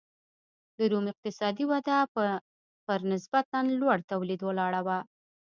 د روم اقتصادي وده پر نسبتا لوړ تولید ولاړه وه